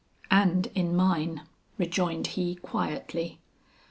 "And in mine," rejoined he quietly.